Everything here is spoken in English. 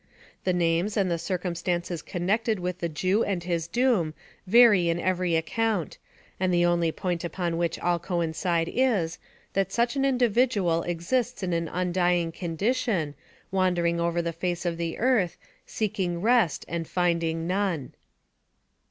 The names and the circumstances connected with the Jew and his doom vary in every account, and the only point upon which all coincide is, that such an individual exists in an undying condition, wandering over the face of the earth, seeking rest and finding none.